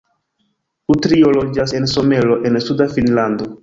Utrio loĝas en Somero en suda Finnlando.